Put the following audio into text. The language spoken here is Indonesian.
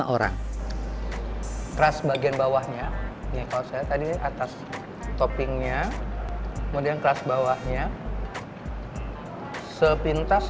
orang keras bagian bawahnya kalau saya tadi atas toppingnya kemudian kelas bawahnya sepintas